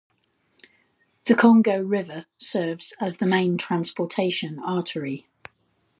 The Congo River serves as the main transportation artery.